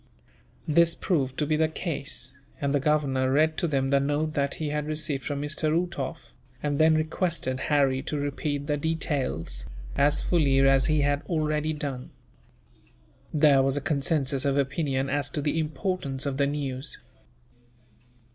This proved to be the case, and the Governor read to them the note that he had received from Mr. Uhtoff; and then requested Harry to repeat the details, as fully as he had already done. There was a consensus of opinion as to the importance of the news.